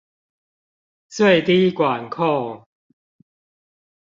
最低管控